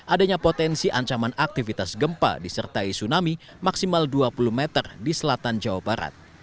adanya potensi ancaman aktivitas gempa disertai tsunami maksimal dua puluh meter di selatan jawa barat